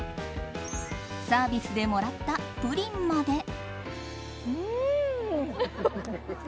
サービスでもらったプリンまで。